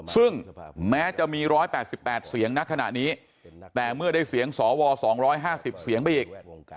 ซึ่งแม้จะมี๑๘๘เสียงณขณะนี้แต่เมื่อได้เสียงสว๒๕๐เสียงไปอีก